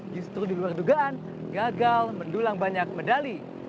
justru diluar dugaan gagal mendulang banyak medali